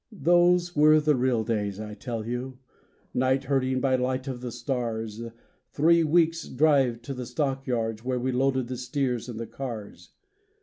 Those were the real days I tell you— Night herding by light of the stars; Three weeks drive to the stockyards Where we loaded the steers in the cars.